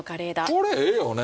これええよね。